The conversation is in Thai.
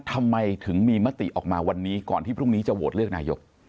ทำไมถึงมีมติออกมาวันนี้ก่อนที่พรุ่งนี้จะโหวตเลือกนายก